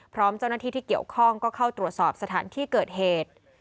พร้อมเจ้าหน้าที่ที่เกี่ยวข้องก็เข้าตรวจสอบสถานที่เกิดเหตุ